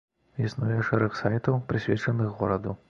Існуе шэраг сайтаў, прысвечаных гораду.